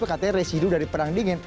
katanya residu dari perang dingin